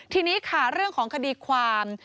ทีนี้ค่ะเรื่องของคดีความ